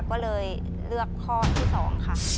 ก็เลยเลือกข้อที่๒ค่ะ